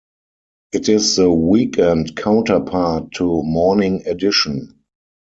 It is the weekend counterpart to "Morning Edition".